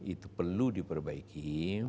itu perlu diperbaiki